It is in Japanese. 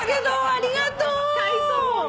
ありがとう！